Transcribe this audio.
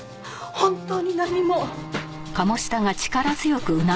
本当に何も。